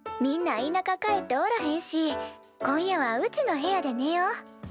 みんないなか帰っておらへんし今夜はうちの部屋でねよ。